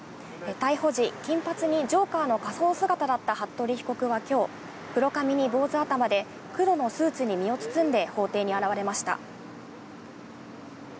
逮捕時、金髪にジョーカーの仮装姿だった服部被告はきょう、黒髪に坊主頭で黒のスーツに身を包んで法廷に現れました。